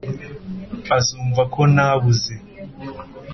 Azumva ko ntabuze